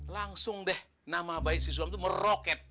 langsung deh nama baik si suam itu meroket